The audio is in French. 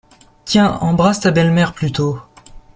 Tiens, embrasse ta belle-mère, plutôt.